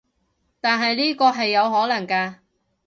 但係呢個係有可能㗎